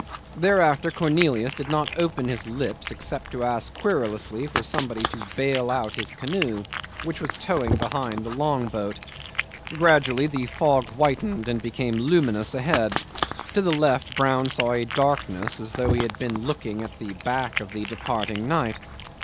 Thereafter Cornelius did not open his lips except to ask querulously for somebody to bale out his canoe, which was towing behind the long boat. Gradually the fog whitened and became luminous ahead. To the left Brown saw a darkness as though he had been looking at the back of the departing night.